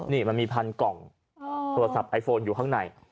นี่มันมีพันกล่องโทรศัพท์ไอโฟนอยู่ข้างใน